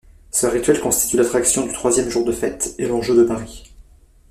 Ce rituel constitue l'attraction du troisième jour de fête et l'enjeu de paris.